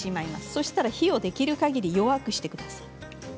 そうしたら、火をできるだけ弱くしてください。